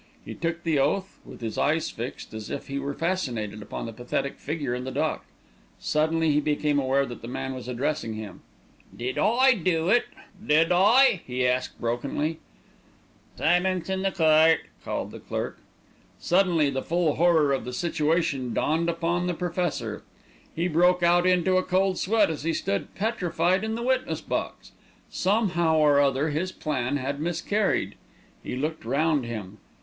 He took the oath, with his eyes fixed, as if he were fascinated, upon the pathetic figure in the dock. Suddenly he became aware that the man was addressing him. "Did I do it? did I?" he asked brokenly. "Silence in the court!" called the clerk. Suddenly the full horror of the situation dawned upon the Professor. He broke out into a cold sweat as he stood petrified in the witness box. Somehow or other his plan had miscarried. He looked round him.